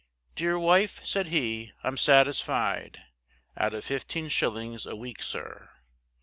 Dear wife, said he, I'm satisfied, Out of fifteen shillings a week, sir.